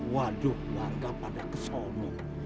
waduh warga pada kesomong